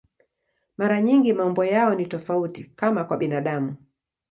Mara nyingi maumbo yao ni tofauti, kama kwa binadamu.